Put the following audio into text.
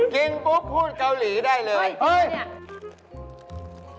กินปุ๊บพูดเกาหลีได้เลยเฮ้ย